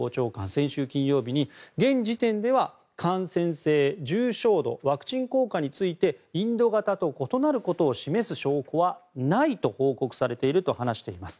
先週金曜日に現時点では感染性、重症度ワクチン効果についてインド型と異なることを示す証拠はないと報告されていると話しています。